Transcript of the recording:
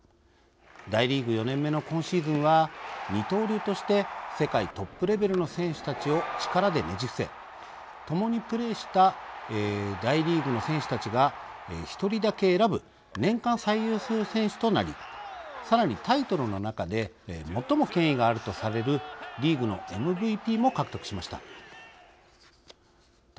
大リーグ４年目の今シーズンは二刀流として世界トップレベルの選手たちを力でねじ伏せともにプレーした大リーグの選手たちが１人だけ選ぶ年間最優秀選手となりさらにタイトルの中で最も権威があるとされるリーグのＭＶＰも獲得しました。